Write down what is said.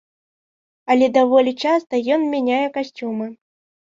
Але даволі часта ён мяняе касцюмы.